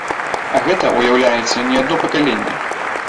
А гэта, уяўляеце, не адно пакаленне.